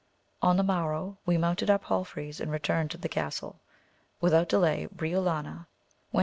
On the morrow we mounted our palfreys and re turned to the castle ; without delay Briolania went to AMADIS OF GAUL.